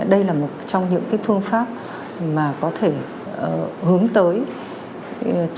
đây là một trong những cái phương pháp mà có thể hướng tới chấm dứt cái đại dịch